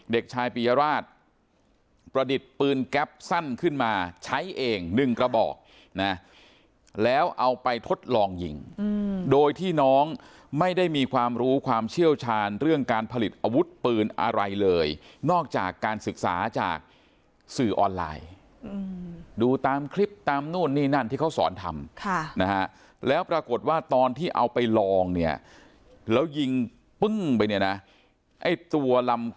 เด็กชายปียราชประดิษฐ์ปืนแก๊ปสั้นขึ้นมาใช้เองหนึ่งกระบอกนะแล้วเอาไปทดลองยิงโดยที่น้องไม่ได้มีความรู้ความเชี่ยวชาญเรื่องการผลิตอาวุธปืนอะไรเลยนอกจากการศึกษาจากสื่อออนไลน์ดูตามคลิปตามนู่นนี่นั่นที่เขาสอนทำค่ะนะฮะแล้วปรากฏว่าตอนที่เอาไปลองเนี่ยแล้วยิงปึ้งไปเนี่ยนะไอ้ตัวลำ